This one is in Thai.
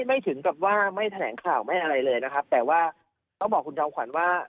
ไม่ถึงกับว่าไม่ถึงแผนข่าวไม่หน่ายเลยนะครับแต่ว่าต้องบอกคุณท้องขวัลว่า